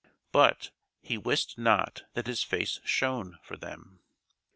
But "he wist not that his face shone" for them.